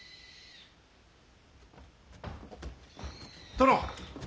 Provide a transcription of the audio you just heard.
殿。